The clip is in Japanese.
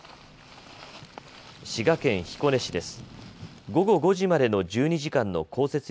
滋賀県彦根市です。